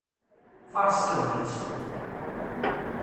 Faṛeṣ tagnitt!